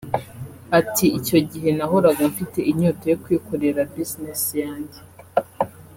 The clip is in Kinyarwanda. Ati “Icyo gihe nahoraga mfite inyota yo kwikorera business yanjye